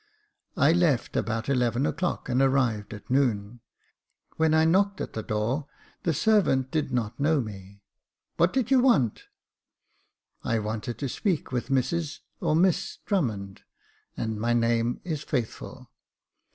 I left about eleven o'clock, and arrived at noon j when I knocked at the door the servant did not know me. *' What did you want ?"" I wanted to speak with Mrs or Miss Drummond, and my name is Faithful."